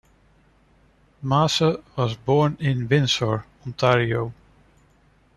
Masse was born in Windsor, Ontario.